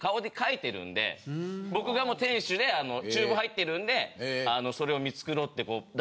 僕が店主で厨房入ってるんでそれを。っていう。